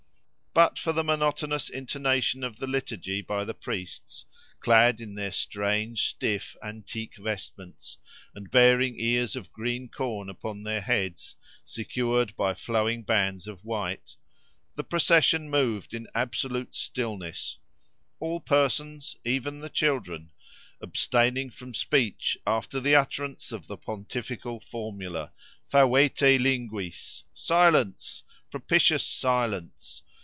But for the monotonous intonation of the liturgy by the priests, clad in their strange, stiff, antique vestments, and bearing ears of green corn upon their heads, secured by flowing bands of white, the procession moved in absolute stillness, all persons, even the children, abstaining from speech after the utterance of the pontifical formula, Favete linguis!—Silence! Propitious Silence!